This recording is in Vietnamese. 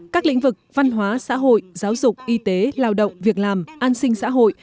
các lĩnh vực văn hóa xã hội giáo dục y tế lao động việc làm an sinh xã hội